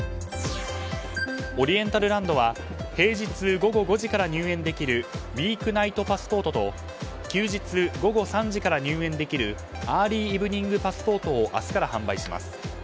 オリエンタルランドは平日午後５時から入園できるウィークナイトパスポートと休日午後３時から入園できるアーリーイブニングパスポートを明日から販売します。